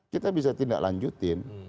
kita bisa tindak lanjutin